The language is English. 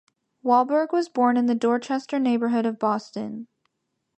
Wahlberg was born in the Dorchester neighborhood of Boston.